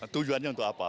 tujuannya untuk apa